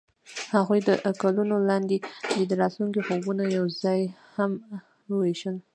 هغوی د ګلونه لاندې د راتلونکي خوبونه یوځای هم وویشل.